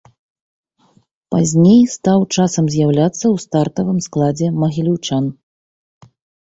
Пазней стаў часам з'яўляцца ў стартавым складзе магіляўчан.